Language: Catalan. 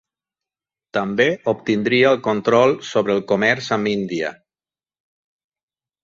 També obtindria el control sobre el comerç amb Índia.